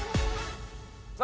さあ